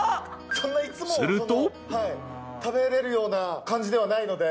そんないつも食べられるような感じではないので。